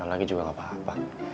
lagi juga apa apa